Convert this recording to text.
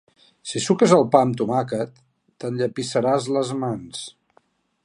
Si suques el pa amb tomàquet t'enllepissaràs les mans.